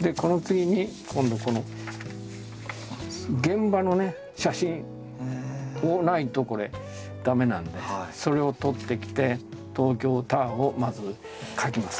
でこの次に今度この現場の写真をないと駄目なんでそれを撮ってきて東京タワーをまず描きます。